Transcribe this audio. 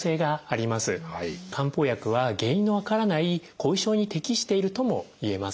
漢方薬は原因の分からない後遺症に適しているともいえます。